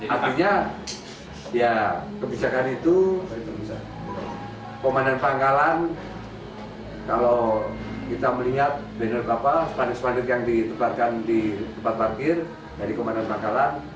artinya kebijakan itu komandan pangkalan kalau kita melihat banner apa spandek spandek yang ditebarkan di tempat parkir dari komandan pangkalan